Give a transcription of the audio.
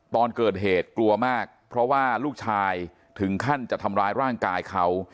ตอนเกิดเหตุกลัวมากเพราะว่าลูกชายถึงขั้นจะทำร้ายร่างกายเขา